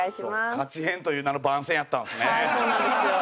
カチヘンという名の番宣やったんすね。